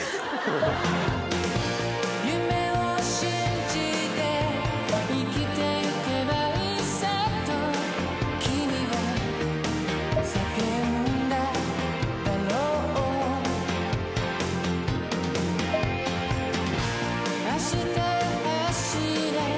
夢を信じて生きてゆけばいいさと君は叫んだだろう明日へ走れ